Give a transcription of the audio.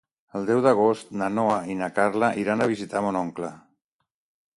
El deu d'agost na Noa i na Carla iran a visitar mon oncle.